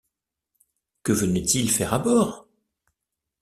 Que venait-il faire à bord?